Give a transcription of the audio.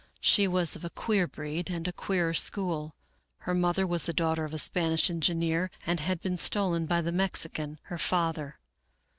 She was of a queer breed and a queerer school. Her mother was the daughter of a Spanish engi neer, and had been stolen by the Mexican, her father.